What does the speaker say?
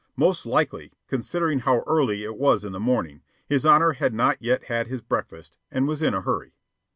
Most likely, considering how early it was in the morning, his Honor had not yet had his breakfast and was in a hurry.